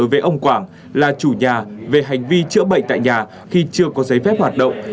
với ông quảng là chủ nhà về hành vi chữa bệnh tại nhà khi chưa có giấy phép hoạt động